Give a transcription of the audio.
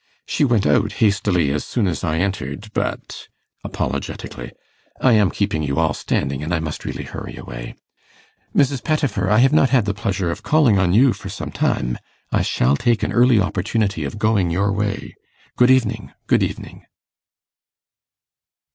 She went out hastily as soon as I entered. But' (apologetically) 'I am keeping you all standing, and I must really hurry away. Mrs. Pettifer, I have not had the pleasure of calling on you for some time; I shall take an early opportunity of going your way. Good evening, good evening.